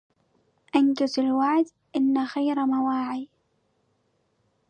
أنجز الوعد إن خير مواعي